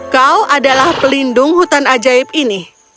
kau adalah pelindung hutan ajaib ini